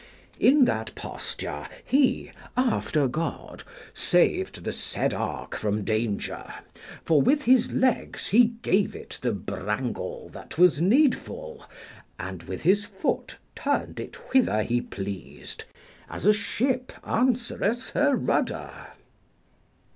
In that posture, he, after God, saved the said ark from danger, for with his legs he gave it the brangle that was needful, and with his foot turned it whither he pleased, as a ship answereth her rudder.